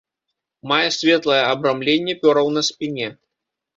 Мае светлае абрамленне пёраў на спіне.